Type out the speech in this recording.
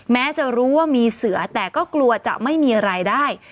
แม้จะรู้ว่ามีเสือแต่ก็กลัวจะไม่มีรายได้